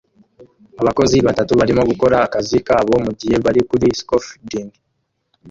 Abakozi batatu barimo gukora akazi kabo mugihe bari kuri scafolding